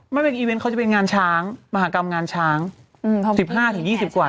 ไม่เป็นอีเวนต์เขาจะเป็นงานช้างมหากรรมงานช้างอืมสิบห้าถึงยี่สิบกว่า